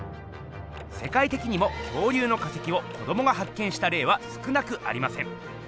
せかいてきにも恐竜の化石を子どもが発見したれいは少なくありません。